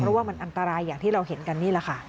เพราะว่ามันอันตรายอย่างที่เราเห็นกันนี่แหละค่ะ